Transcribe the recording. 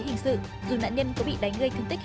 hãy sáng suốt tỉnh táo bình tĩnh